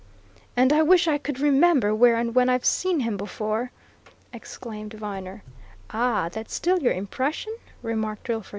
"And I wish I could remember where and when I have seen him before!" exclaimed Viner. "Ah, that's still your impression?" remarked Drillford.